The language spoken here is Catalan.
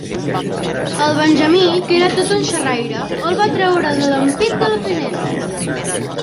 El Benjamí, que era tot un xerraire, el va treure de l'ampit de la finestra.